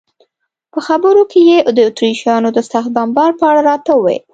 په خبرو کې یې د اتریشیانو د سخت بمبار په اړه راته وویل.